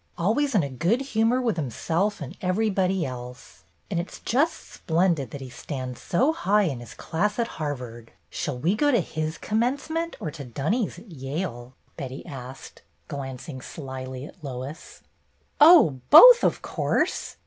Always in a good humor with himself and everybody else. And it 's just splendid that he stands so high in his class at Harvard 1 Shall we go to his commencement, or to Dunny's at Yale?" Betty asked, glancing slyly at Lois. "Oh, both, of course!"